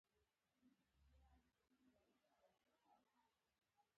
ډک، ډک اسمانونه مې خوبونو کې لیدلې دي